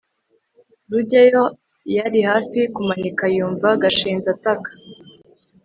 rugeyo yari hafi kumanika yumva gashinzi ataka